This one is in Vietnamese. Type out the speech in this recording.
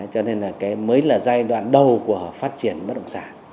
cho nên là cái mới là giai đoạn đầu của phát triển bất động sản